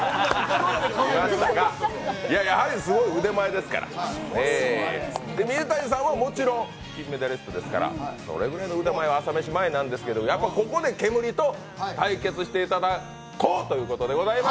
やはりすごい腕前ですから水谷さんはもちろん金メダリストですからそれぐらいの腕前は朝飯前なんですけど、ここでケムリと対決していただこうということです。